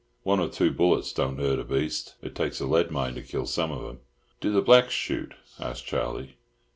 One or two bullets don't hurt a beast. It takes a lead mine to kill some of 'em." "Do the blacks shoot?" asked Charlie.